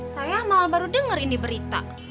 sayang malah baru denger ini berita